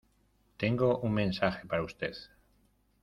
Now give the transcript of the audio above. tengo un mensaje para usted